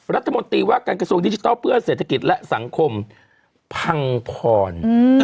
รัฐมนตรีว่าการกระทรวงดิจิทัลเพื่อเศรษฐกิจและสังคมพังพร